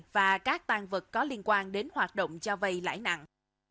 và các tàn vật có liên quan đến hoạt động cho vai lãi nặng